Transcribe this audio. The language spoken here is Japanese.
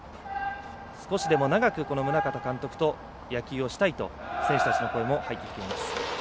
少しでも長く宗像監督と野球をしたいと選手たちの声も入ってきています。